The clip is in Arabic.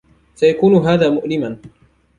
سيكون هذا مؤلما.